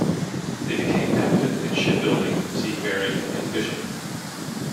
They became active in shipbuilding, seafaring and fishing.